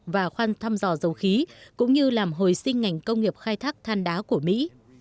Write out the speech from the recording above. và khoan thăm dò dầu khí cũng như làm hồi sinh ngành công nghiệp khai thác than đá của mỹ